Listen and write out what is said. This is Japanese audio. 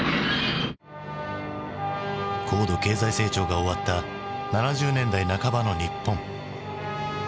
高度経済成長が終わった７０年代半ばの日本。